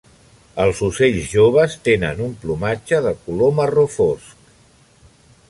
Els ocells joves tenen un plomatge de color marró fosc.